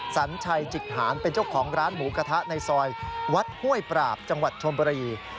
สัญชัยจิกหานเป็นเจ้าของร้านหมูกระทะในซอยวัดห้วยปราบจังหวัดชนบุรี